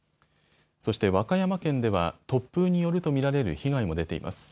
そして和歌山県では突風によると見られる被害も出ています。